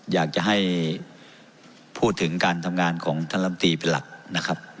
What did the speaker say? อยากจะให้พูดถึงการทำงานของท่านลำตีเป็นหลักนะครับ